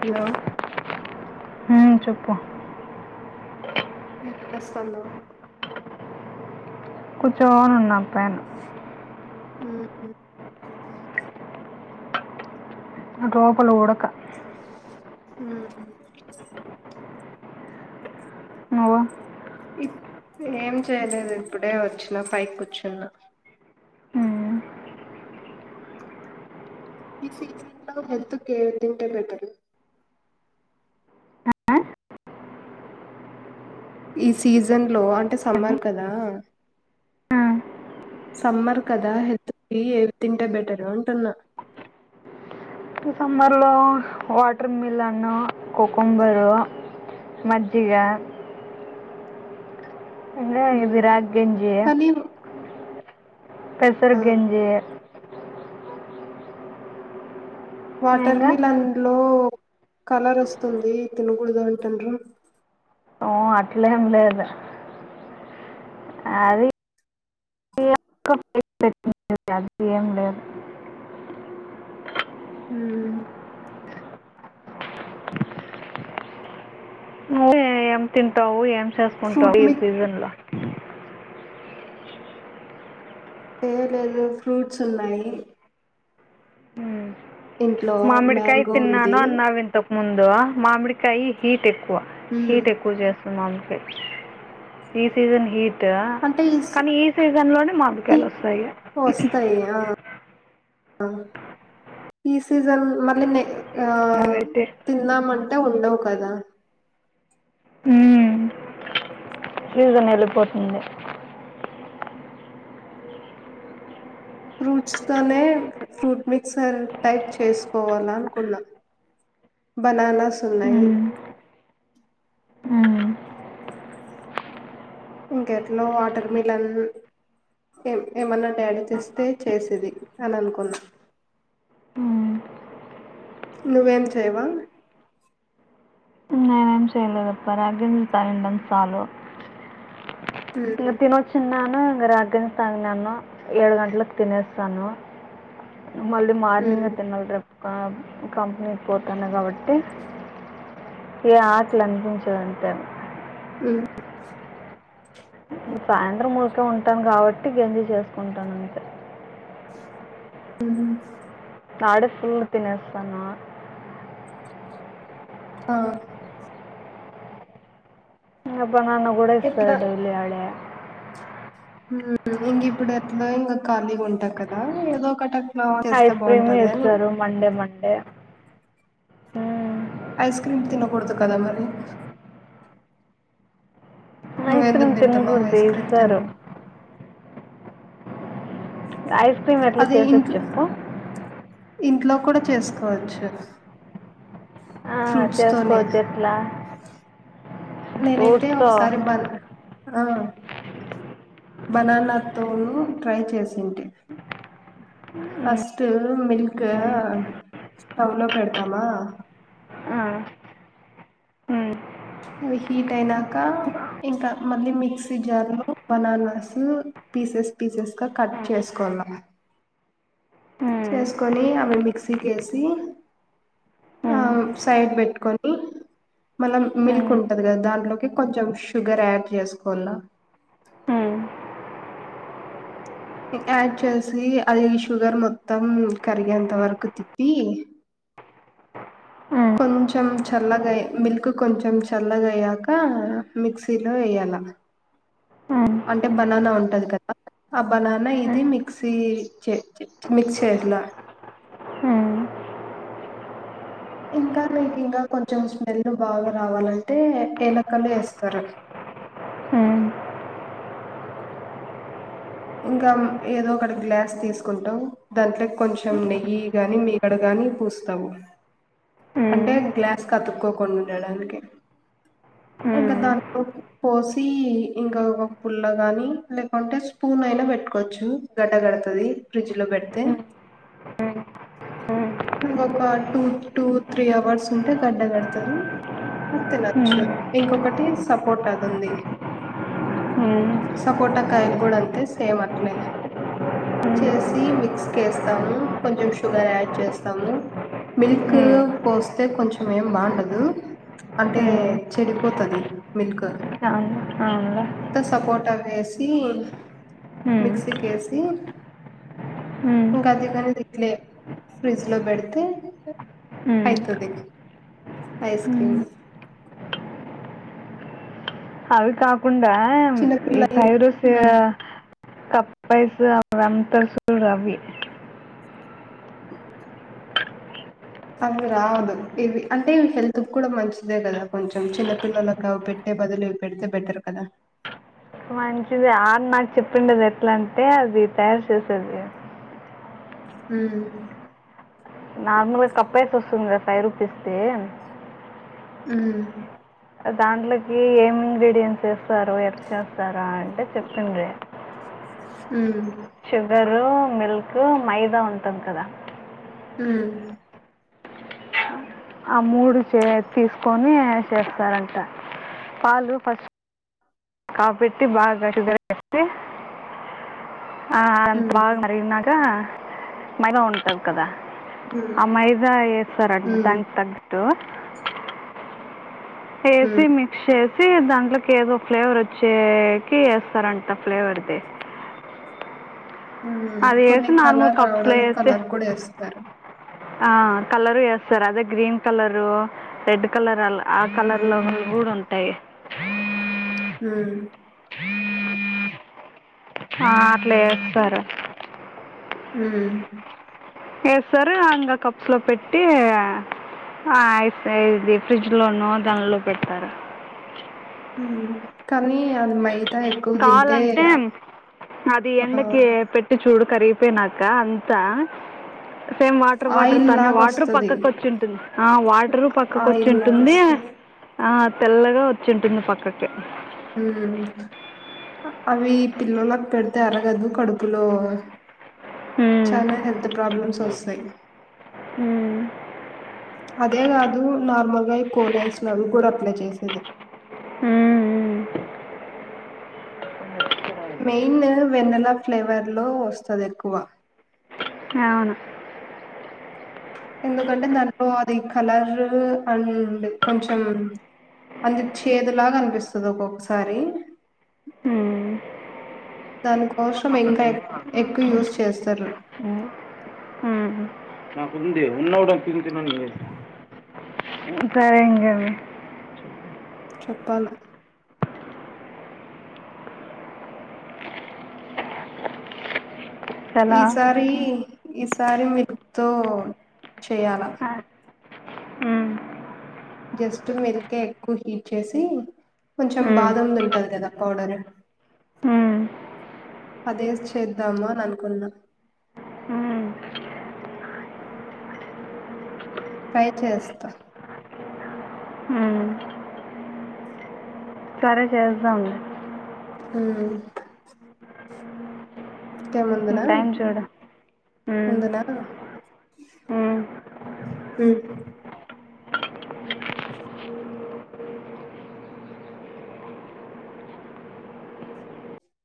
Hello అ చెప్పు పిస్తంద కూచోనున్నా అక్కయ ఉ ఒంట్లోపల్ ఉడక ఉ ఉ నువ ఇ ఏం చేయలేదు ఇప్పుడే వచ్చిన పైకి కూర్చున్నా ఉమ్. ఈ సీజన్ లో హెల్త్ కేర్ తింటే బెటర్ ఆ? ఈ సీజన్ లో అంటే ఏమి? సమ్మార్ కదా ఆ. సమ్మర్ కద హెల్త్ కి ఏవి తింటే బెటరు అంటున్నా సమ్మర్లో వాటర్ మిలన్ కుకుంబరు మజ్జిగ ఇంగ ఇవి రాగి గంజీ కానీ పెసరుగంజే వాటర్ ఇంకా మిలన్ జు లో కలర్ వస్తుంది తినుకుడదటండ్రు ఓ అట్లా ఏం లేదు అవి కల్తీ ఏం లేదు హ అదే ఏం తింటావు ఏం చేసుకుంటా ఫ్రూట్ ఈ మీ సీజన్ లా [unintelligible] ఏ లేదు ఫ్రూట్స్ ఉన్నాయి ఇంట్లో మామిడికాయ్ మ్యాంగో తిన్నాను ఉంది అన్నావ్ ఇంతక్ ముందు మామిడి కై హీట్ కువ హీట్ ఎక్కువ జెస్ మామిడ్కాయ్ ఈ సీజన్ హీట్ ట కానీ ఈ సీజన్ లోనే మామిడికాయలు వస్తాయి వస్తాయి ఆ ఇస్ సీజన్ మళ్ళీ నెక్ ఆ అవైతే తిన్నామం ట ఉండవు కదా ఉమ్ సిజన్ వెళ్ళిపోతుంది ఫ్రూట్స్ తోనే ఫ్రూట్ మిక్సర్ టైప్ చేసుకోవాల అనుకున్నా బనానా సున్నాయి ఉమ్, ఉమ్, ఇంకెట్లో వాటర్ మిల్న్ ఏం ఏమన్నా డాడీ చేస్తే చేసేది అని అనుకున్నా ఉమ్. నువేం చేయవా ఎం చేయలేదే పరగ్యం పండంత చాలు ఉమ్ ఎ తినో చిన్నను రాగిస్తాన్ నేను ఏడు గంటలకు తినేస్తాను మళ్ళీ ఉమ్ మార్నింగ్ ఎ తినాలి రేపు ఒక కంపెనీకి పోతన్న కాబట్టి ఏ ఆట్ల అనిపించదు అంతే ఉమ్ సాయంత్రం మూడు ఇంక ఉంటాను కాబట్టి గేంజీ చేసుకుంటాను అంతే. ఉ హుమ్ ఆడు ఫుల్లు తినేస్తానావా. ఆ బనాన్న కూడా ఎట్లా ఇస్తారు డైలీ ఆడే ఉమ్ ఇంగ్ ఇప్పుడు ఎట్లో ఇంగ ఖాళీగా ఉంటా కదా ఏదో ఒకటి అట్లా చేస్తే ఐస్ క్రీమ్ బాగుంటది అని ఇస్తారు. మండే, మండే ఉమ్ ఐస్ క్రీమ్ తినకూడదు కదా మరి నువ్వు ఐస్ ఎందుకు క్రీమ్ తింటున్నావు తినకూడదే ఐస్ క్రీమ్ ఇస్తారు. తిను ఐస్ క్రీమ్ ఎట్లా అది చేసేద్ ఇంట్లో చెప్పు ఇంట్లో కూడా చేసుకోవచ్చు. ఆ, ఫ్రూట్స్ తోనే చేసుకోవచ్చు ఎట్లా నేనైతే ఫ్రూట్స్తో ఒకసారి బర్గ్ ఆ బనానా తోను ట్రై చేసుంటే ఫస్ట్ మిల్క్ స్టవ్ లో పెడతామా. అవి హీట్ అయినాక ఇంకా మళ్ళీ మిక్సీ జార్ లో బనానాస్ పీసెస్, పీసెస్గా కట్ చేసుకున్న. చేసుకొని అవి మిక్సీకి ఏసీ ఆ సైడ్ పెట్టుకొని మనం మిల్క్ ఉంటది కదా దాంట్లోకి కొంచెం షుగర్ యాడ్ చేసుకోన్న. యాడ్ చేసి అది షుగర్ మొత్తం కరిగేంతవరకు తిప్పి. కొంచెం చల్లగా మిల్క్ కొంచెం చల్లగా అయ్యాక మిక్సిలో ఎయ్యాల అంటే బనానా ఉంటది కదా ఆ బనానా ఇదీ మిక్సీ చే మిక్స్ చేయాల. హ్మ్ ఇంకా నీకు ఇంకా కొంచెం స్మెల్ బాగా రావాలంటే యాలకలు ఏస్తారు. హ్మ్ ఇంకా ఏదో ఒకటి గ్లాస్ తీసుకుంటాం. దాంట్లో కొంచెం నెయ్యి గాని మీగడ గాని పూస్తాము. అంటే హ్మ్ గ్లాస్ కతుక్కోకుండా ఉండటానికి ఇంకా హ్మ్ దాంట్లో పోసి ఇంకా ఒక పుల్ల గానీ లేకుంటే స్పూన్ అయినా పెట్టుకోవచ్చు. గడ్డకడతది ఫ్రిడ్జ్ లో పెడితే హ్మ్ హ్మ్ హ్మ్ ఇంకొక టూ, టూ త్రీ అవర్స్ ఉంటే గడ్డ కడతది. ఆ తినొచ్చు హ్మ్ ఇంకొక టే సపోటా ది ఉంది హ్మ్ సపోటాకాయలు కూడా అంతే సేమ్ అట్లే చేసి మిక్సికేస్తాము. కొంచెం షుగర్ యాడ్ చేస్తాము మిల్కు హ్మ్ పోస్తే కొంచెం ఏం బావుండదు అంటే హ్మ్ చెడిపోతది మిల్క్ అవునులే టకెసి హ్మ్ మిక్సీకేసి హ్మ్ ఇంకా కానేది ఇట్లే ఫ్రిజ్ లో పెడితే హ్మ్ అయితది ఐస్ క్రీమ్ హ్మ్ అవి కా కుండా ఈ చిన్నపిల్లయి ఫ్రైడ్ రైసు హ్మ్. కప్పైసు అవంత సొల్లవి అవి రాదు ఇవి అంటే హెల్త్ కి కూడా మంచిదే కదా కొంచెం చిన్న పిల్లలకు అవి పెట్టే బదులు ఇవి పెడితే బెటర్ కదా మంచిదే ఆడు నాకు చెప్పింది అదెట్ల అంటే అది తయారు చేసేది. హ్మ్ నార్మల్గా కప్పైసు వస్తుంది కదా ఫైవ్ రూపీస్ దీ హ్మ్ దాంట్లోకి ఏమి ఇంగ్రీడియంట్స్ యేస్తారో ఎట్ట చేస్తారా అంటే చెప్పింది హ్మ్ షుగర్ రూ మిల్క్ మైదా ఉంటుంది కదా హ్మ్ ఆ మూడు చే తీసుకొని చేస్తారంట పాలు ఫస్ట్ కాపెట్టి బాగా గట్టిగ [unintelligible] అంత హ్మ్ బాగా మరిగినాక మరంఉంటది కదా హ్మ్ ఆ మైదా ఏ సార్ అది దానికి తగ్ టో హ్మ్ ఏసి మిక్స్ చే చ్చిదాంట్లోకి ఏదో ఫ్లేవర్ వచ్చేకి వేస్తారంట ఫ్లేవర్ది ఆ అది కొన్ని వేసి నార్మల్ కలర్ కప్స్లో రావడానికి కలర్ కూడా యేస్తారు. ఆ కలరు ఏస్తారు అదే గ్రీన్ కలరు రెడ్ కలర్ అలా ఆ కలర్ లో హ్మ్ గూడా ఉంటాయి హ హ్మ్ ఆ అట్లేస్తారు ఆ వేస్తారు ఇంకా కప్స్ లో పెట్టి ఇది ఫ్రిడ్జ్ లోనూ దానిలో పెడతారు కనీ అమయి కావాలంటే అది ఎండకి పెట్టి చూడు కరిగిపొయినాక అంతా సేమ్ వాటర్ వాటర్ ఆయిల్ తనే లాగా వాటర్ వస్తది. పక్కకు వచ్చుంటుంది ఆ వాటరు పక్కకు ఆయిల్ లాగా వచ్చింటుంది వస్తది. ఆ తెల్లగా వచ్చుంటుంది పక్కకి ఉ అవి పిల్లోలకి పెడితే అరగదు కడుపులో ఉమ్. చాలా హెల్త్ ప్రాబ్లమ్స్ వస్తాయి ఉమ్. అదే కాదు నార్మల్గా ఈ కోనైస్ లవి కూడా అప్లై చేస్తది అ మెయిన్ వెన్నెలా ఫ్లేవర్ లో వస్తుంది ఎక్కువ అవును ఎందుకంటే దాంట్లో అది కలర్ అండ్ కొంచెం అంది చేదు లాగా అనిపిస్తది ఒకొక్కసారి ఉమ్. తనుకు కోషం ఇంకా ఎ ఎక్కువ యూస్ చేస్తారు నాకుంది ఉన్నోడు తిను తినండి సరే ఇంక చెప్పాల చాలా ఈసారి ఈసారి వి తో చెయాలా ఉమ్. జస్ట్ మిల్కే ఎక్కువ హీట్ చేసి కొంచెం ఉమ్. బాదమ్ ది ఉంటది కదా పౌడరు ఉమ్. అదేసి చేద్దామా అని అనుకున్నా ఉమ్. ట్రై చేస్తా ఉమ్. సరే చేద్దాంలే ఆ [inaudible] ఇంకేం ఉందునా టైం చూడు ఉమ్. ఉందునా ఉమ్. ఆ